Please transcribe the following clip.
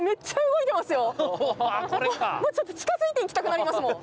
もうちょっと近づいていきたくなりますもん。